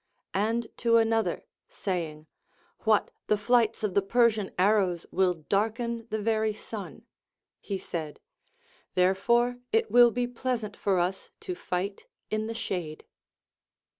And to another saying, ΛVhat, the flights of the Persian arrows will darken the very sun, he said. Therefore it will be pleasant for us to fight in the shade.